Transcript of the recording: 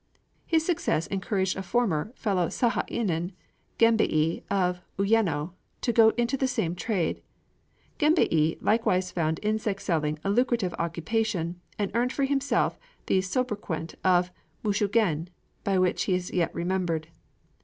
His success encouraged a former fellow sahainin, Genbei of Uyeno, to go into the same trade. Genbei likewise found insect selling a lucrative occupation, and earned for himself the sobriquet of Mushi Gen, by which he is yet remembered.